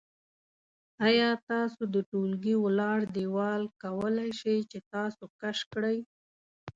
آیا ستاسو د ټولګي ولاړ دیوال کولی شي چې تاسو کش کړي؟